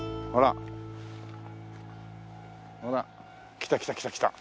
来た来た来た来た。